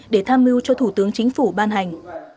để tham mưu cho thủ tướng chính phủ ban hành